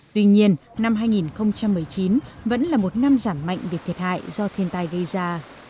tuy nhiên năm hai nghìn một mươi chín vẫn là một năm giảm mạnh việc thiệt hại do thiên tai gây ra